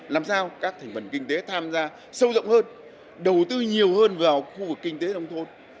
làm sao các thành phần kinh tế tham gia sâu rộng hơn đầu tư nhiều hơn vào khu vực kinh tế nông thôn